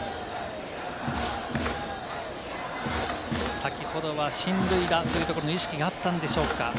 先ほどは進塁打というところの意識があったんでしょうか？